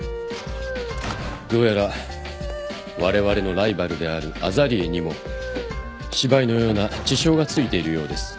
どうやらわれわれのライバルであるＡＺＡＬＥＡにも司馬懿のような智将がついているようです。